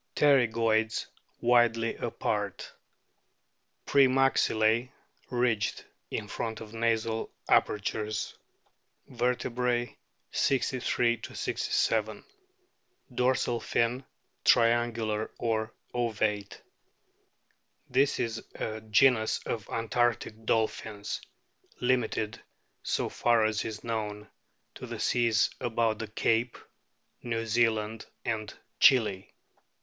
Pterygoids widely apart; pre maxillse ridged in front of nasal apertures. Vertebrae, 63 67. Dorsal fin triangular or ovate. This is a genus of antarctic dolphins, limited, so far as is known, to the seas about the Cape, New Zealand, and Chili.